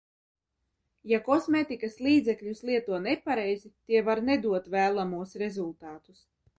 Ja kosmētikas līdzekļus lieto nepareizi, tie var nedot vēlamos rezultātus.